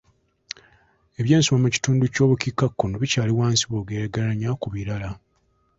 Ebyensoma mu kitundu ky'obukiikakkono bikyali wansi bw'ogeraageranya ku birala.